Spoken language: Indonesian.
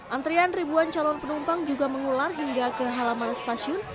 antrian ribuan calon penumpang juga mengular hingga ke halaman stasiun